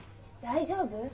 大丈夫？